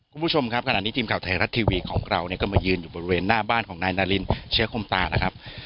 คุณผู้ชมครับขณะนี้ทีมข่าวไทยรัฐทีวีของเราเนี่ยก็มายืนอยู่บริเวณหน้าบ้านของนายนารินเชื้อคมตานะครับ